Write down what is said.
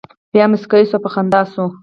بیا مسکی شو او په خندا شو.